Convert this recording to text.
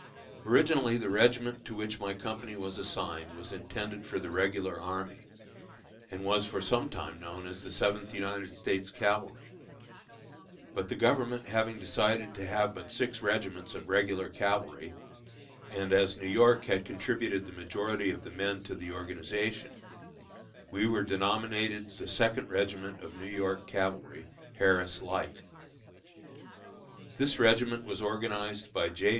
Originally the regiment to which my company was assigned was intended for the regular army, and was for some time known as the Seventh United States Cavalry; but the Government having decided to have but six regiments of regular cavalry, and as New York had contributed the majority of the men to the organization, we were denominated the Second Regiment of New York Cavalry, "Harris Light." This regiment was organized by J.